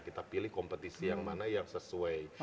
kita pilih kompetisi yang mana yang sesuai